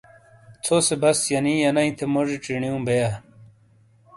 ژھو سے بس ینی ینا تھے موجی چینیو بیئیا۔